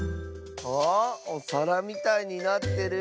あおさらみたいになってる？